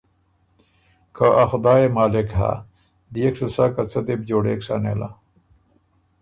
که ا خدایٛ يې مالک هۀ ديېک سُو سَۀ که څۀ دې بو جوړېک سَۀ نېله،